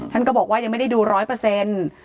ท่านก็บอกว่ายังไม่ได้ดูร้อยเปอร์เซ็นต์